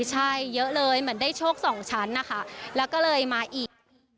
ใช่เยอะเลยเหมือนได้โชคสองชั้นนะคะแล้วก็เลยมาอีก